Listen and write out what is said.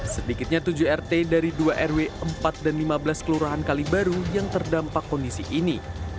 sedikitnya tujuh rt dari dua rw empat dan lima belas kelurahan kalibaru yang terdampak kondisi ini